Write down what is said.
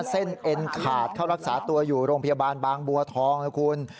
เอ็นขาดเข้ารักษาตัวอยู่โรงพยาบาลบางบัวทองนะคุณ